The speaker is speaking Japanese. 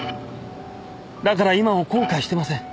だから今も後悔してません。